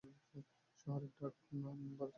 শহরটির ডাক নাম "ভারতের ছোট্ট ইংল্যান্ড"।